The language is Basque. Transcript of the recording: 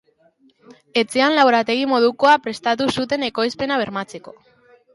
Etxean laborategi modukoa prestatu zuen ekoizpena bermatzeko.